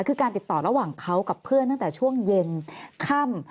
คือการติดต่อระหว่างเขากับเพื่อนตั้งแต่ช่วงเย็นค่ำ